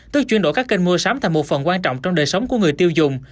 tức chuyển đổi các kênh mua sắm thành một phần quan trọng trong đời sống của người tiêu dùng